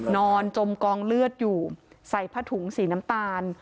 นอนจมกองเลือดอยู่ใส่ผ้าถุงสีน้ำตาล